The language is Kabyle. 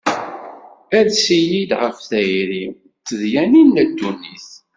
Ales-iyi-d ɣef tayri, d tedyanin n dunnit.